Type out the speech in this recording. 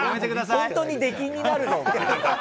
本当に出禁になるぞ、お前。